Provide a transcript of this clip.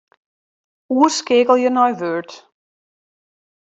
Oerskeakelje nei Word.